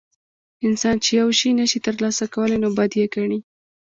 انسان چې یو شی نشي ترلاسه کولی نو بد یې ګڼي.